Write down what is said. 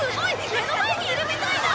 目の前にいるみたいだ！